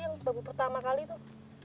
yang pertama kali tuh